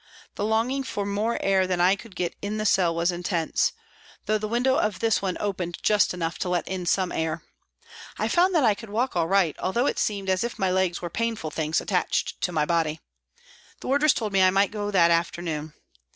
The longing for more air than I could get in the cell was intense, though the window of this one opened just enough to let in some air. I found that I could walk all right, although it seemed as if my legs were painful things attached to my body. The wardress told me I might go that afternoon.